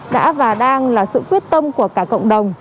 đã và đang là sự quyết tâm của cả cộng đồng